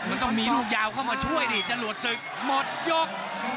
มันก็มีหนูยาวเข้ามาช่วยดิจะหลวดเสร็จหมดยก